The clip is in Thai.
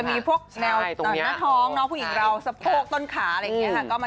มีพวกแนวหน้าท้องน้องผู้หญิงเราสะโพกต้นขาอะไรอย่างนี้ค่ะ